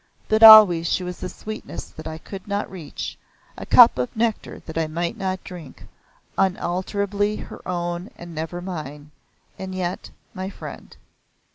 But always she was a sweetness that I could not reach, a cup of nectar that I might not drink, unalterably her own and never mine, and yet my friend.